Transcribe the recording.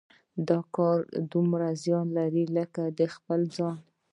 دا کار دومره زیان لري لکه د خپل ځان.